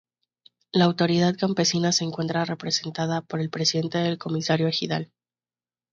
La autoridad campesina se encuentra representada por el Presidente del Comisariado Ejidal.